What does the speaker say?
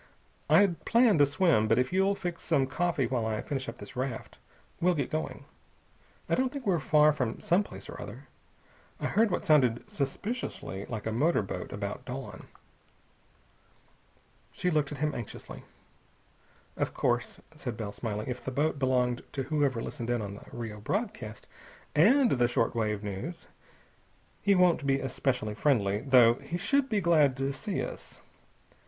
"I'd planned a swim. But if you'll fix some coffee while I finish up this raft, we'll get going. I don't think we're far from some place or other. I heard what sounded suspiciously like a motor boat, about dawn." She looked at him anxiously. "Of course," said Bell, smiling, "if the boat belonged to whoever listened in on the Rio broadcast and the short wave news, he won't be especially friendly, though he should be glad to see us.